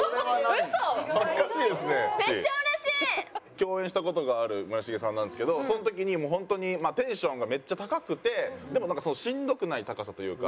共演した事がある村重さんなんですけどその時にもうホントにテンションがめっちゃ高くてでもなんかしんどくない高さというか。